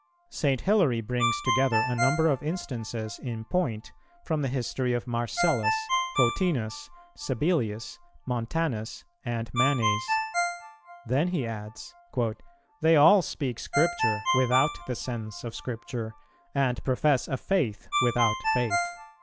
St. Hilary brings together a number of instances in point, from the history of Marcellus, Photinus, Sabellius, Montanus, and Manes; then he adds, "They all speak Scripture without the sense of Scripture, and profess a faith without faith."